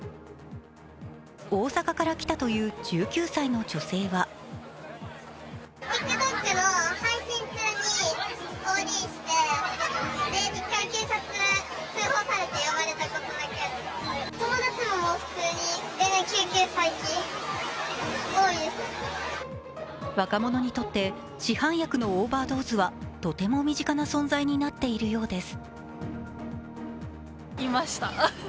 大阪から来たという１９歳の女性は若者にとって市販薬のオーバードーズはとても身近な存在になっているようです。